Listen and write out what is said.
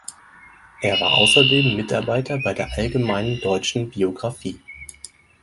Er war außerdem Mitarbeiter bei der Allgemeinen Deutschen Biographie.